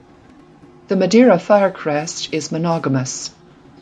The Madeira firecrest is monogamous.